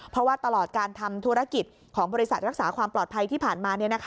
เพราะว่าตลอดการทำธุรกิจของบริษัทรักษาความปลอดภัยที่ผ่านมา